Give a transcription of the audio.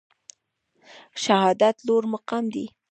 شهادت لوړ مقام دی